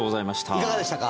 いかがでしたか？